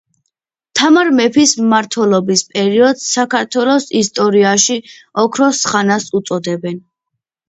თამარ მეფის მმართველობის პერიოდს საქართველოს ისტორიაში ოქროს ხანას უწოდებენ.